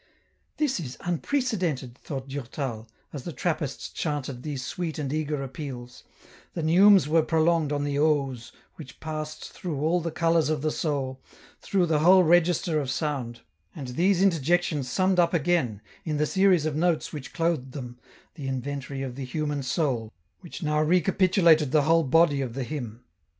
"This is unprecedented," thought Durtal, as the Trappists chanted these sweet and eager appeals ; the neumes were prolonged on the Os, which passed through all the colours of the soul, through the whole register of sound ; and these interjections summed up again, in the series of notes which clothed them, the inventory of the human soul, which now recapitulated the whole body of the hymn.